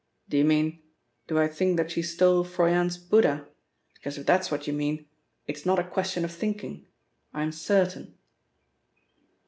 "Do you mean, do I think that she stole Froyant's Buddha, because if that's what you mean, it is not a question of thinking. I am certain."